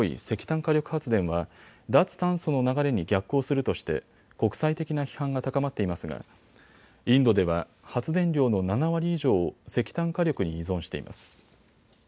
石炭火力発電は脱炭素の流れに逆行するとして国際的な批判が高まっていますがインドでは発電量の７割以上を石炭火力に依存しています。